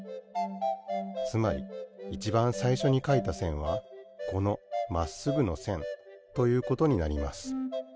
つまりいちばんさいしょにかいたせんはこのまっすぐのせんということになります。